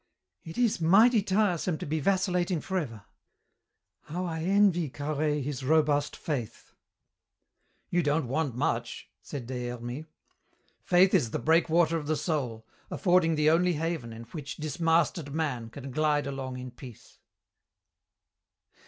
"It is mighty tiresome to be vacillating forever. How I envy Carhaix his robust faith!" "You don't want much!" said Des Hermies. "Faith is the breakwater of the soul, affording the only haven in which dismasted man can glide along in peace."